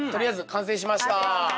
完成しました。